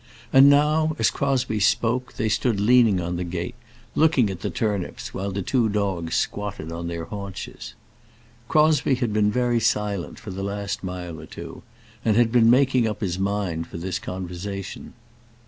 And now, as Crosbie spoke, they stood leaning on the gate, looking at the turnips while the two dogs squatted on their haunches. Crosbie had been very silent for the last mile or two, and had been making up his mind for this conversation.